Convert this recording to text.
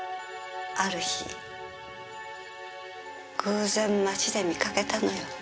ある日偶然町で見かけたのよきっと。